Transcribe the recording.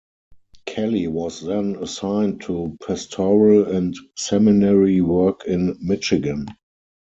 Kelly was then assigned to pastoral and seminary work in Michigan.